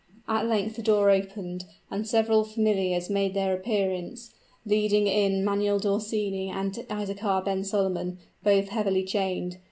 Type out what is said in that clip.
At length the door opened, and several familiars made their appearance, leading in Manuel d'Orsini and Isaachar ben Solomon, both heavily chained.